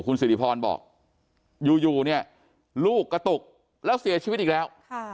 คุณสิริพรบอกอยู่เนี่ยลูกกระตุกแล้วเสียชีวิตอีกแล้ว